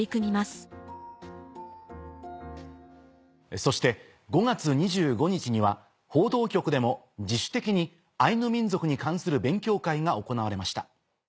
そして５月２５日には報道局でも自主的にアイヌ民族に関する勉強会が行われました。